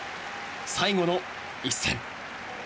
最後の一戦。